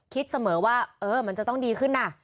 คิดเสมอว่าเออมันจะต้องดีขึ้นนะ